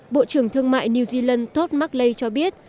bộ trưởng thương mại new zealand todd macleay cho biết